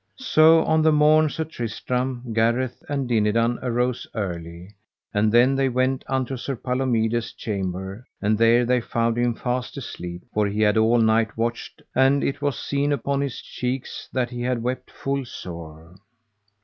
So on the morn Sir Tristram, Gareth, and Dinadan arose early, and then they went unto Sir Palomides' chamber, and there they found him fast asleep, for he had all night watched, and it was seen upon his cheeks that he had wept full sore.